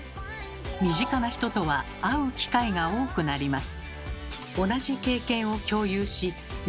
身近な人とは会う機会が多くなります。